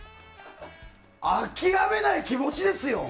諦めない気持ちですよ。